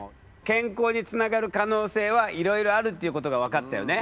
健康につながる可能性はいろいろあるっていうことが分かったよね？